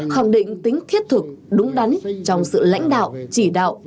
khẳng định tính thiết thực đúng đắn trong sự lãnh đạo chỉ đạo